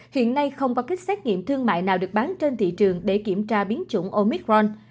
hiện nay không có kích xét nghiệm thương mại nào được bán trên thị trường để kiểm tra biến chủng omicron